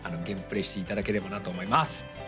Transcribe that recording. ゲームプレーしていただければなと思います